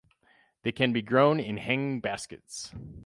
They can be grown in hanging baskets.